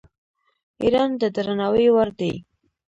ایران د درناوي وړ دی.